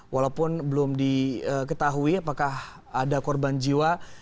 walaupun belum diketahui apakah ada korban jiwa